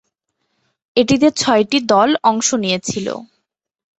এটিতে ছয়টি দল অংশ নিয়েছিল।